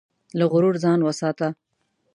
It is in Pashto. له غرور ځان وساته.